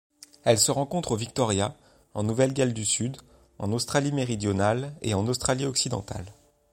Elle se rencontre au Victoria, en Nouvelle-Galles du Sud, en Australie-Méridionale et en Australie-Occidentale.